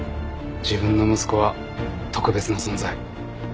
自分の息子は特別な存在